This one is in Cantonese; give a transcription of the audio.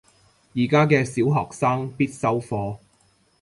而家嘅小學生必修課